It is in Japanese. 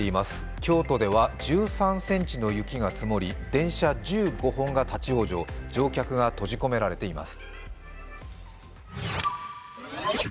京都では１３センチの雪が積もり電車１５本が立往生乗客が閉じ込められています。